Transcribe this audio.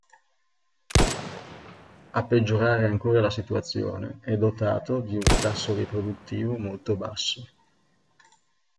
A peggiorare ancora la situazione, è dotato di un tasso riproduttivo molto basso.